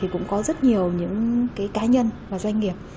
cũng có rất nhiều cá nhân và doanh nghiệp